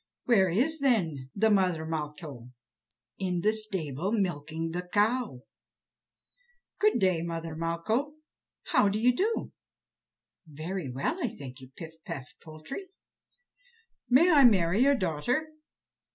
"Where is, then, the mother Malcho?" "In the stable, milking the cow." "Good day, mother Malcho. How do you do?" "Very well, I thank you, Pif paf Poltrie." "May I marry your daughter?"